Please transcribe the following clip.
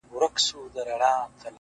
دا يې د ميــــني تـرانـــه ماته كــړه ـ